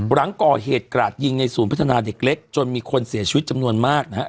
หลังก่อเหตุกราดยิงในศูนย์พัฒนาเด็กเล็กจนมีคนเสียชีวิตจำนวนมากนะครับ